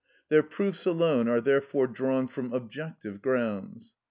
Their proofs alone are therefore drawn from objective grounds.